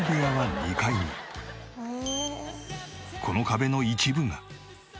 この壁の一部が。